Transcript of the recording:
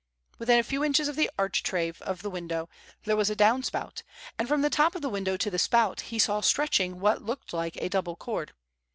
Within a few inches of the architrave of the window there was a down spout, and from the top of the window to the spout he saw stretching what looked like a double cord.